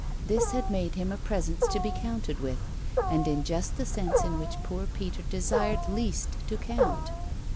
This had made him a presence to be counted with, and in just the sense in which poor Peter desired least to count.